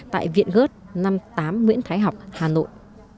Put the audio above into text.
tại viện gớt năm mươi tám nguyễn thái học hà nội